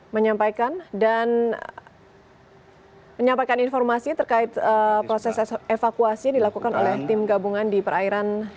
menyampaikan dan menyampaikan informasi terkait proses evakuasi dilakukan oleh tim gabungan di perairan